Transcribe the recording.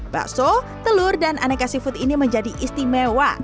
bakso telur dan aneka seafood ini menjadi istimewa